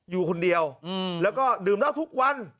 อยู่คนเดียวแล้วก็ดื่มเหล้าทุกวัน